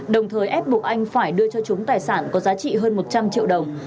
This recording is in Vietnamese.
đồng thời ép buộc anh phải đưa cho chúng tài sản có giá trị hơn một trăm linh triệu đồng